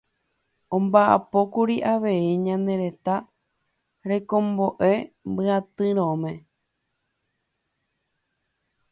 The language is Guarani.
omba'apókuri avei ñane retã rekombo'e myatyrõme